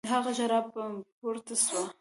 د هغه ژړا به پورته سوه.